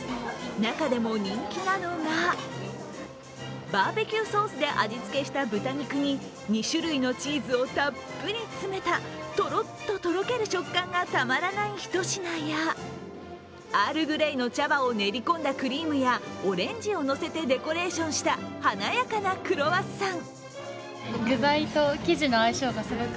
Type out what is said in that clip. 中でも人気なのがバーベキューソースで味付けした豚肉に２種類のチーズをたっぷり詰めたとろっととろける食感がたまらない一品やアールグレイの茶葉を練り込んだクリームやオレンジをのせてデコレーションした華やかなクロワッサン。